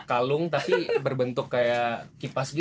kalung tapi berbentuk kayak kipas